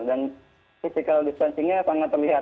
dan physical distancing nya sangat terlihat